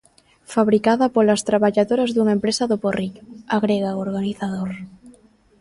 "Fabricada polas traballadoras dunha empresa do Porriño", agrega o organizador.